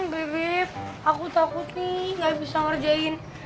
bebe aku takut nih gak bisa ngerjain